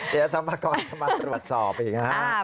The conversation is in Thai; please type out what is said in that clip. เดี๋ยวสรรพากรจะมาตรวจสอบอีกนะครับ